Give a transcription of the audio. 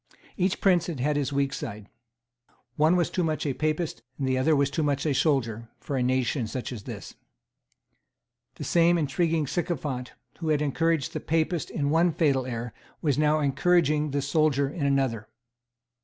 Each prince had had his weak side. One was too much a Papist, and the other too much a soldier, for such a nation as this. The same intriguing sycophant who had encouraged the Papist in one fatal error was now encouraging the soldier in another.